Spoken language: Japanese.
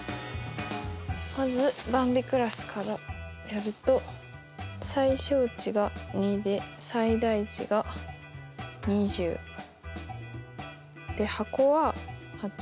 まずばんびクラスからやると最小値が２で最大値が２０。で箱は８。